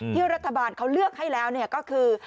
ที่รัฐบาลเขาเลือกให้แล้วก็คือ